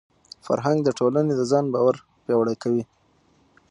فرهنګ د ټولني د ځان باور پیاوړی کوي.